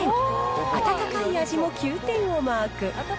温かい味も９点をマーク。